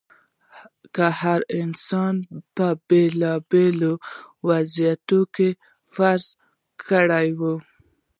که هر انسان په بېلابېلو وضعیتونو کې فرض کړو.